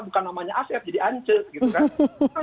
bukan namanya aset jadi ance gitu kan